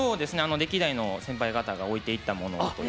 歴代の先輩方が置いていったものをというか。